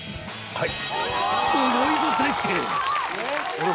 はい。